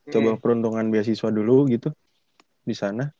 coba peruntungan beasiswa dulu gitu disana